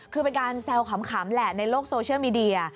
คือเป็นการแซวขำแหละในโลกโซเชียลมีเดีย